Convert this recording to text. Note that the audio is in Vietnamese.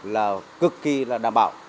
là cực kỳ là đảm bảo